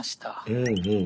うんうん。